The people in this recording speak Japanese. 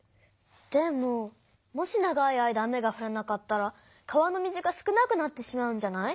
でももし長い間雨がふらなかったら川の水が少なくなってしまうんじゃない？